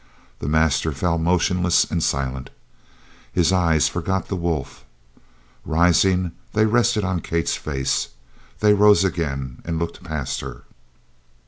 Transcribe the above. The master fell motionless and silent. His eyes forgot the wolf. Rising, they rested on Kate's face. They rose again and looked past her.